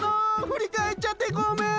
振り返っちゃってごめん！